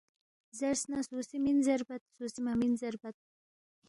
زیرس نہ سُو سی مِن زیربت، سُو سی مہ مِن زیربت